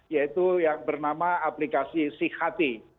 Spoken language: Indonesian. yaitu yang bernama aplikasi sikati